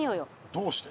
どうして？